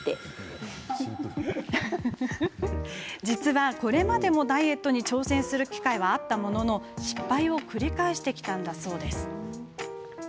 実は、これまでもダイエットに挑戦する機会はあったものの失敗を繰り返してきたんだそう。